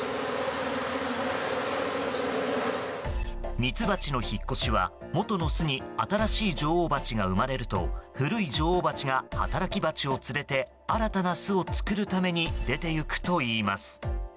ミツバチの引っ越しは元の巣に新しい女王バチが生まれると古い女王バチが働きバチを連れて新たな巣を作るために出て行くといいます。